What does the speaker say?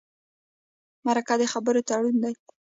مرکه د خبرو تړون دی.